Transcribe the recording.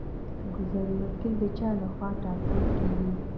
ګذر وکیل د چا لخوا ټاکل کیږي؟